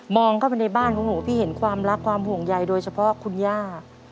เข้าไปในบ้านของหนูพี่เห็นความรักความห่วงใยโดยเฉพาะคุณย่า